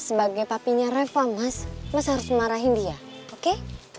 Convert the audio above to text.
sebagai papinya reva mas mas harus marahin dia oke